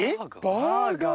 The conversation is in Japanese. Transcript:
バーガー？